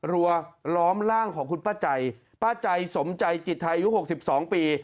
รัวล้อมร่างของคุณป้าใจป้าใจสมใจจิตไทยอายุ๖๒ปี